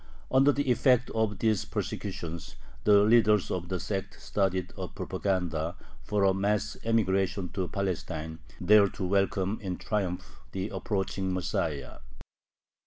Under the effect of these persecutions the leaders of the sect started a propaganda for a mass emigration to Palestine, there to welcome in triumph the approaching Messiah.